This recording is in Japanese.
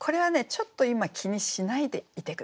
ちょっと今気にしないでいて下さい。